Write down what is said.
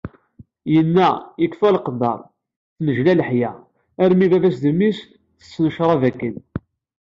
Yenna: “Ikfa leqder, tennejla leḥya, armi baba-s d mmi-s, tessen ccrab akken."